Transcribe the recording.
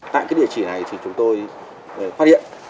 tại cái địa chỉ này thì chúng tôi phát hiện